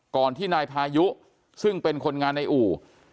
ที่นายพายุซึ่งเป็นคนงานในอู่